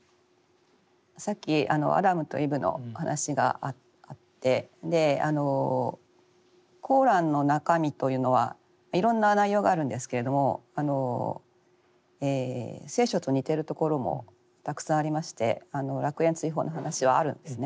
さっきアダムとイブの話があってコーランの中身というのはいろんな内容があるんですけれども聖書と似ているところもたくさんありまして楽園追放の話はあるんですね。